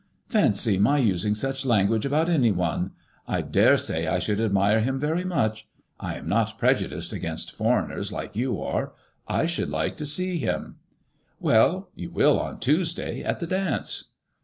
"Fancy my using such lan guage about any one! I dare say I should admire him very much. I am not prejudiced against foreigners, like you are ; I should like to see him." I ICADRMOTSBLLS IXE, TO3 " Well, you will, on Tuesday, at the dance."